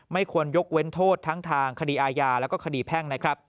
ไม่ควรยกเว้นโทษทั้งทางคดีอาญาและคดีแพ่ง